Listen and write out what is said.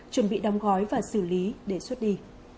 chuẩn bị đóng gói và xử lý để xuất đi